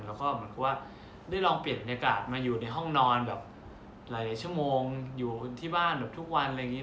แล้วก็เหมือนกับว่าได้ลองเปลี่ยนบรรยากาศมาอยู่ในห้องนอนแบบหลายชั่วโมงอยู่ที่บ้านแบบทุกวันอะไรอย่างนี้